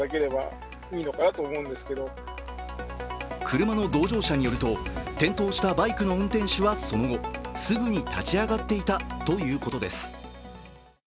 車の同乗者によると転倒したバイクの運転手はその後、すぐに立ち上がっていたということです。